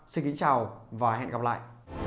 xin kính chào và hẹn gặp lại